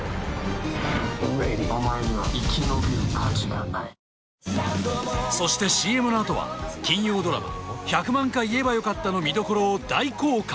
お前には生き延びる価値がないそしてＣＭのあとは金曜ドラマ「１００万回言えばよかった」の見どころを大公開！